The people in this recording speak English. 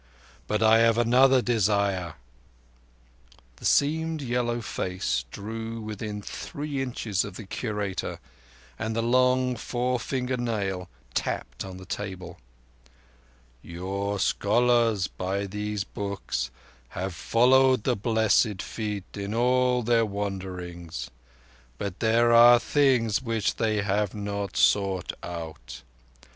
But I have another desire"—the seamed yellow face drew within three inches of the Curator, and the long forefinger nail tapped on the table. "Your scholars, by these books, have followed the Blessed Feet in all their wanderings; but there are things which they have not sought out.